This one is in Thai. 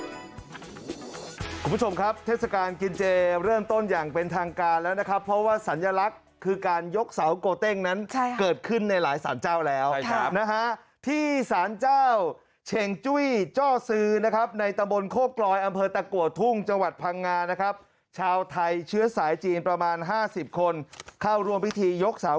คุณผู้ชมครับเทศกาลกินเจเริ่มต้นอย่างเป็นทางการแล้วนะครับเพราะว่าสัญลักษณ์คือการยกเสาโกเต้งนั้นเกิดขึ้นในหลายสารเจ้าแล้วนะฮะที่สารเจ้าเช็งจุ้ยจ้อซื้อนะครับในตำบลโคกลอยอำเภอตะกัวทุ่งจังหวัดพังงานะครับชาวไทยเชื้อสายจีนประมาณ๕๐คนเข้าร่วมพิธียกเสา